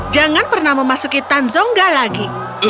jangan pernah memasuki tanzongga lagi